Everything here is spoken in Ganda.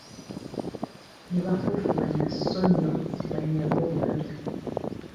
Ne bafufubana so nno banyage obugagga.